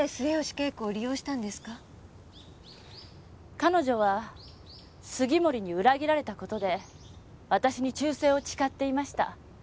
彼女は杉森に裏切られた事で私に忠誠を誓っていました。